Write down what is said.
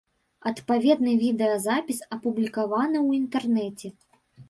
Адпаведны відэазапіс апублікаваны ў інтэрнэце.